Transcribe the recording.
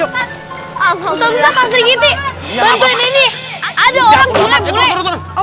ustaz ustaz pasti gitu bantuin ini ada orang bule